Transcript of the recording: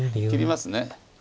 切ります。